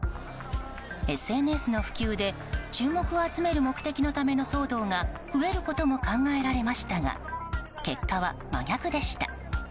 ＳＮＳの普及で注目を集める目的のための騒動が増えることも考えられましたが結果は真逆でした。